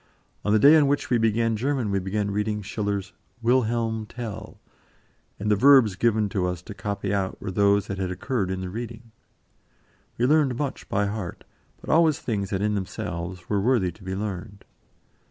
On the day on which we began German we began reading Schiller's "Wilhelm Tell," and the verbs given to us to copy out were those that had occurred in the reading. We learned much by heart, but always things that in themselves were worthy to be learned.